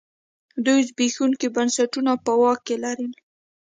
دوی زبېښونکي بنسټونه په واک کې لرل.